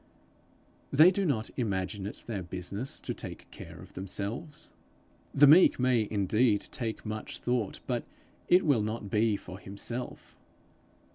They do not imagine it their business to take care of themselves. The meek man may indeed take much thought, but it will not be for himself.